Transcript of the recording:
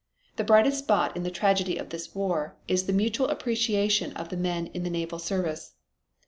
The brightest spot in the tragedy of this war is this mutual appreciation of the men in the naval service.